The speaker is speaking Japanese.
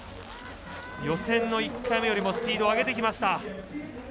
予選の１回目よりもスピードを上げてきました。